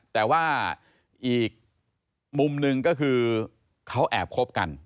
แต่ว่าอีกมุมหนึ่งก็คือเขาแอบคบกัน